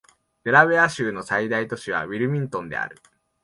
デラウェア州の最大都市はウィルミントンである